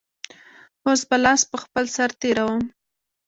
اوس به لاس په خپل سر تېروم.